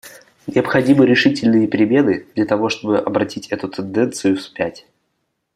Необходимы решительные перемены, для того чтобы обратить эту тенденцию вспять.